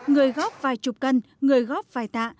người góp vài chục cân người góp vài tạ